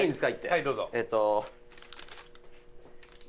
はいどうぞ。